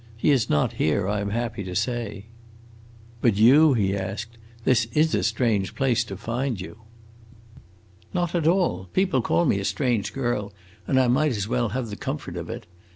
He is not here, I am happy to say." "But you?" he asked. "This is a strange place to find you." "Not at all! People call me a strange girl, and I might as well have the comfort of it.